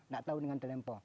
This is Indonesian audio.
tidak tahu dengan talempong